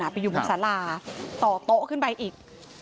ไปอยู่บนสาราต่อโต๊ะขึ้นไปอีก